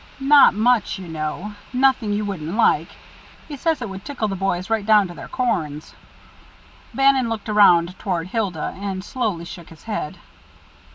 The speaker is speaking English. Not much, you know nothing you wouldn't like he says it would tickle the boys right down to their corns." Bannon looked around toward Hilda, and slowly shook his head.